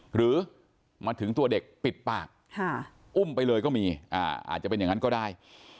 หรือมาถึงตัวเด็กปิดปากอุ้มไปเลยก็มีอาจจะเป็นอย่างนั้นก็ได้